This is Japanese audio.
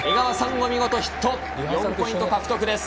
お見事ヒット、４ポイント獲得です。